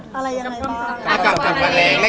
เพียงเลยหลบไม่ได้แล้ว